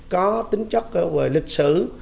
có tính chất về lịch sử